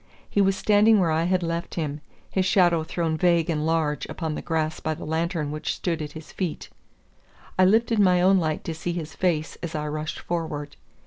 He was standing where I had left him, his shadow thrown vague and large upon the grass by the lantern which stood at his feet. I lifted my own light to see his face as I rushed forward.